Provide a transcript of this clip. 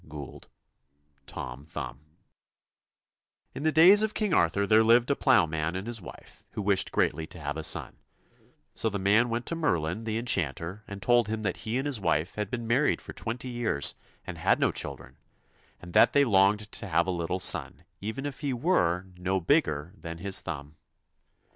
198 TOM THUMB |N the days of King Arthur there lived a TOM ploughman and his wife who wished THUMB greatly to have a son; so the man went to Merlin, the enchanter, and told him that he and his wife had been married for twenty years and had no children, and that they longed to have a little son, even if he were ' no bigger than his thumb.'